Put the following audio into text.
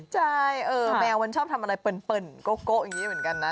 ใช่แมวมันชอบทำอะไรเปิ่นโกะอย่างนี้เหมือนกันนะ